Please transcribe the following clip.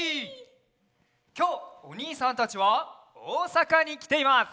きょうおにいさんたちはおおさかにきています。